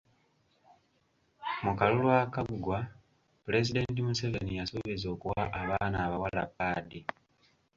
Mu kalulu akaggwa, Pulezidenti Museveni yasuubiza okuwa abaana abawala padi.